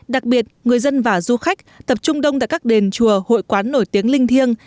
đặc biệt người dân và du khách tập trung đông tại các đền chùa hội quán nổi tiếng linh thiêng